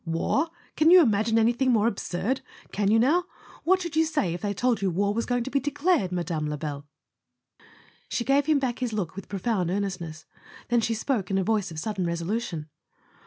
"War? Can you imagine anything more absurd? Can you, now? What should you say if they told you war was going to be declared, Mme. Lebel?" She gave him back his look with profound earnest¬ ness; then she spoke in a voice of sudden resolution.